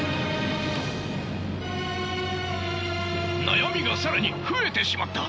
悩みが更に増えてしまった！